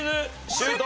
シュート！